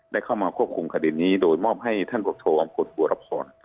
ได้เข้ามาควบคุมคดิตนี้โดยมอบให้ท่านบริษัทโชว์อำกฤษบัวรับธรรม